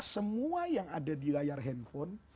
semua yang ada di layar handphone